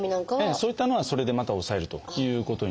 そういったのはそれでまた抑えるということになりますね。